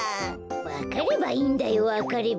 わかればいいんだよわかれば。